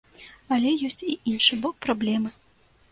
Але ёсць і іншы бок праблемы.